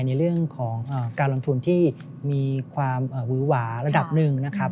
ในเรื่องของการลงทุนที่มีความหวือหวาระดับหนึ่งนะครับ